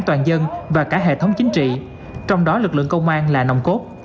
toàn dân và cả hệ thống chính trị trong đó lực lượng công an là nồng cốt